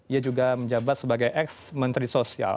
ia juga menjabat sebagai ex menteri sosial